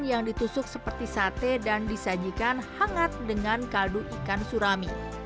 yang ditusuk seperti sate dan disajikan hangat dengan kaldu ikan surami